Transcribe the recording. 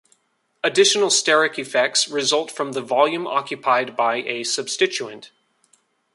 Additional steric effects result from the volume occupied by a substituent.